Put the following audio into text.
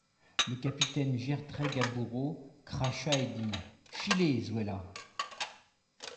Le capitaine Gertrais-Gaboureau cracha et dit: — Filé, Zuela.